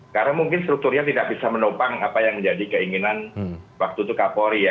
karena mungkin strukturnya tidak bisa menopang apa yang menjadi keinginan waktu itu kapolri ya